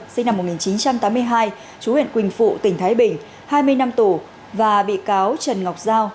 sinh năm một nghìn chín trăm tám mươi hai chú huyện quỳnh phụ tỉnh thái bình hai mươi năm tù và bị cáo trần ngọc giao